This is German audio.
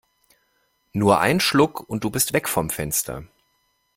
Nur ein Schluck und du bist weg vom Fenster!